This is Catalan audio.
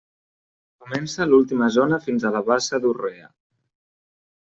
Comença l'última zona fins a la bassa d'Urrea.